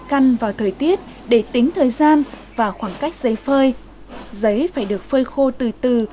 căn vào thời tiết để tính thời gian và khoảng cách giấy phơi giấy phải được phơi khô từ từ